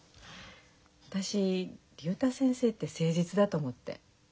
私竜太先生って誠実だと思って。